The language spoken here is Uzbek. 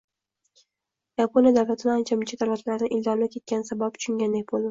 Yaponiya davlatini ancha-muncha davlatlardan ildamlab ketganini sababini tushungandek boʻldim.